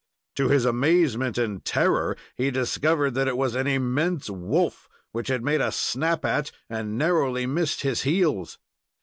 To his amazement and terror, he discovered that it was an immense wolf, which had made a snap at and narrowly missed his heels.